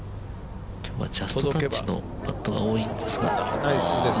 今日はジャスチタッチのパットが多いんですが。